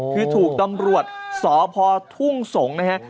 คือถูกตำรวจสพทุ่งสงฯนะครับ